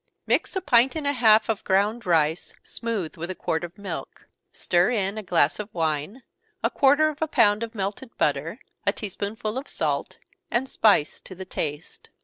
_ Mix a pint and a half of ground rice, smooth, with a quart of milk stir in a glass of wine, a quarter of a pound of melted butter, a tea spoonful of salt, and spice to the taste.